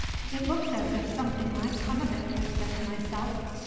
"It looks as if something might come of it," I said to myself.